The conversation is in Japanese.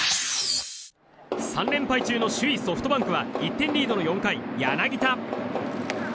３連敗中の首位ソフトバンクは１点リードの４回、柳田。